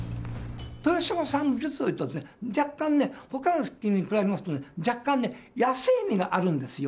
豊島さん、実をいうとね、若干ね、ほかの人に比べますと、若干ね、野性味があるんですよ。